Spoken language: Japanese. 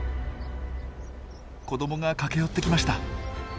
子どもが駆け寄ってきました。